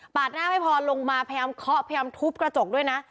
หน้าไม่พอลงมาพยายามเคาะพยายามทุบกระจกด้วยนะ